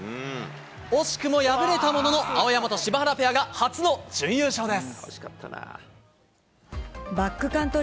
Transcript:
惜しくも敗れたものの、青山と柴原ペアが初の準優勝です。